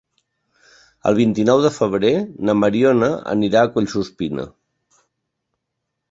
El vint-i-nou de febrer na Mariona anirà a Collsuspina.